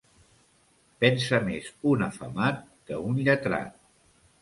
Pensa més un afamat que un lletrat.